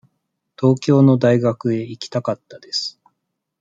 東京の大学へ行きたかったです。